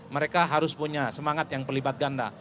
mereka harus punya semangat yang pelibat ganda